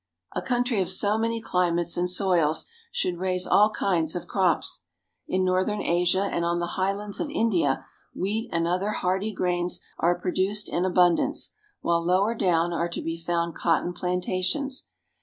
A country of so many climates and soils should raise all kinds of crops. In northern Asia and on the highlands of India, wheat and other hardy grains are produced in abundance, while lower down are to be found cotton plantations.